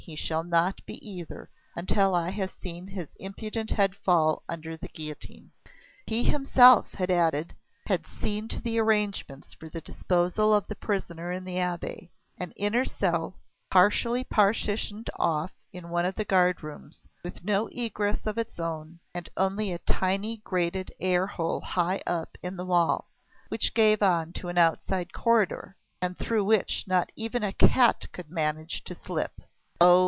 he shall not be either, until I have seen his impudent head fall under the guillotine." He himself, he added, had seen to the arrangements for the disposal of the prisoner in the Abbaye: an inner cell, partially partitioned off in one of the guard rooms, with no egress of its own, and only a tiny grated air hole high up in the wall, which gave on an outside corridor, and through which not even a cat could manage to slip. Oh!